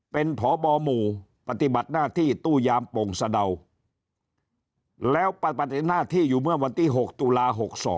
เป็นพบหมู่ปฏิบัติหน้าที่ตู้ยามโป่งสะเดาแล้วไปปฏิบัติหน้าที่อยู่เมื่อวันที่๖ตุลา๖๒